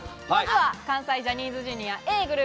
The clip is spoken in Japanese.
まずは関西ジャニーズＪｒ．、Ａぇ！